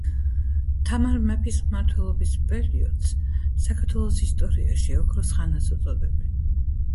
თამარ მეფის მმართველობის პერიოდს საქართველოს ისტორიაში ოქროს ხანას უწოდებენ.